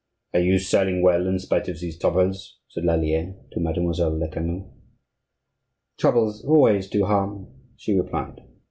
"Are you selling well in spite of these troubles?" said Lallier to Mademoiselle Lecamus. "Troubles always do harm," she replied.